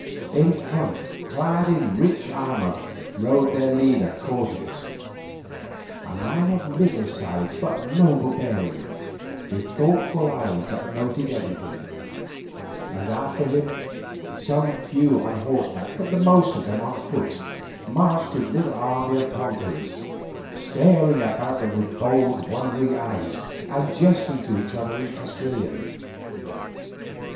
In front, clad in rich armour, rode their leader Cortes, a man of middle size but noble bearing, with thoughtful eyes that noted everything, and after him, some few on horseback but the most of them on foot, marched his little army of conquerors, staring about them with bold wondering eyes and jesting to each other in Castilian.